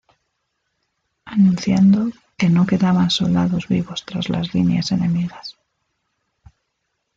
Anunciando que no quedaban soldados vivos tras las líneas enemigas.